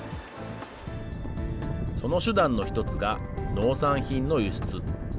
その手段の一つが農産品の輸出。